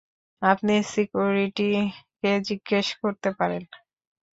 আপনি সিকিউরিটিকে জিজ্ঞেস করতে পারেন।